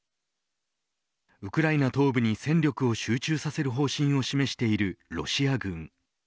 ウクライナ東部に戦力を集中させる方針を示しているロシア軍。